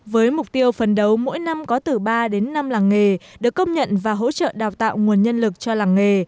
với mục tiêu phần đầu mỗi năm có từ ba đến năm làng nghề được công nhận và hỗ trợ đào tạo nguồn nhân lực cho làng nghề